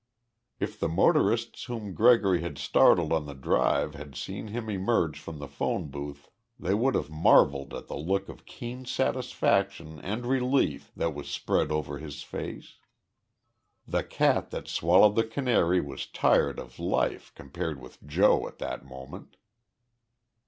If the motorists whom Gregory had startled on the Drive had seen him emerge from the phone booth they would have marveled at the look of keen satisfaction and relief that was spread over his face. The cat that swallowed the canary was tired of life, compared with Joe at that moment.